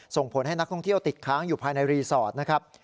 ส่งผลให้นักท่องเที่ยวติดค้างอยู่ภายในรีสอร์ทนะครับ